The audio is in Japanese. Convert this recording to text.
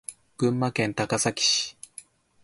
群馬県高崎市